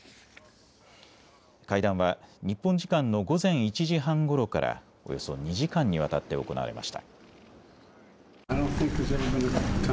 会談は日本時間の午前１時半ごろからおよそ２時間にわたって行われました。